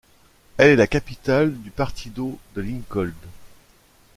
Elle est la capitale du partido de Lincoln.